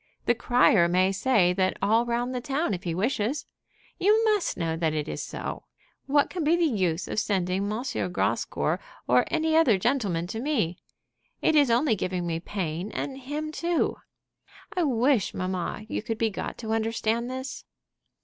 The crier may say that all round the town if he wishes. You must know that it is so. What can be the use of sending M. Grascour or any other gentleman to me? It is only giving me pain and him too. I wish, mamma, you could be got to understand this."